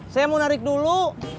saya mau narik dulu